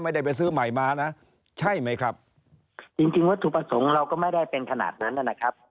ไม่ได้ไปซื้อใหม่มานะใช่ไหมครับจริงจริงวัตถุประสงค์เราก็ไม่ได้เป็นขนาดนั้นนะครับ